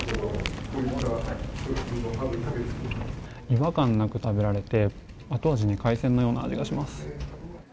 違和感なく食べられて、後味に海鮮のような味がします。